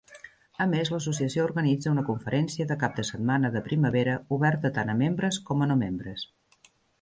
A més, l'associació organitza una conferència de cap de setmana de primavera oberta tant a membres com a no membres.